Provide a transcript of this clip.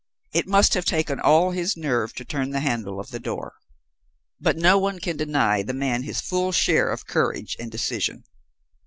It must have taken all his nerve to turn the handle of the door.... "But no one can deny the man his full share of courage and decision.